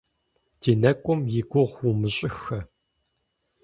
Ди нэкӀум и гугъу умыщӀыххэ.